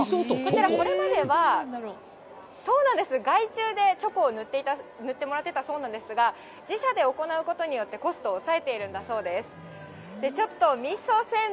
これまでは外注でチョコを塗ってもらっていたそうなんですが、自社で行うことによって、コストを抑えているんだそうです。